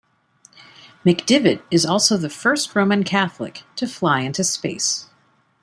McDivitt is also the first Roman Catholic to fly into space.